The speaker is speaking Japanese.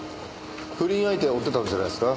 不倫相手を追ってたんじゃないんですか？